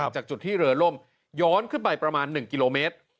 จากจุดที่เรือล่มย้อนขึ้นไปประมาณ๑กิโลเมตร